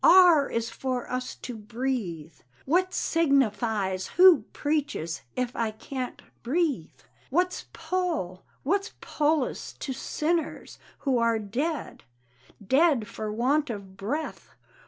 Are is for us to brethe. What signifize who preaches ef I cant brethe? What's Pol? What's Pollus to sinners who are ded? Ded for want of breth!